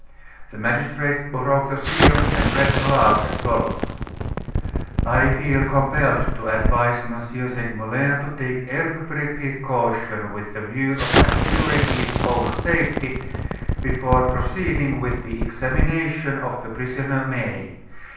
The magistrate broke the seal, and read aloud, as follows: "I feel compelled to advise M. Segmuller to take every precaution with the view of assuring his own safety before proceeding with the examination of the prisoner, May.